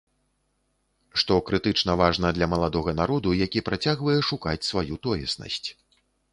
Што крытычна важна для маладога народу, які працягвае шукаць сваю тоеснасць.